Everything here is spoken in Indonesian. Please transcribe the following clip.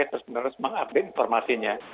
terus menerus mengupdate informasinya